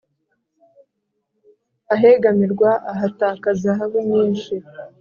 ahegamirwa ahataka zahabu nyinshi